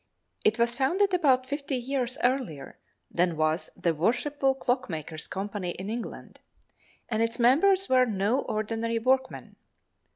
It was founded about fifty years earlier than was the Worshipful Clock makers' Company in England, and its members were no ordinary workmen.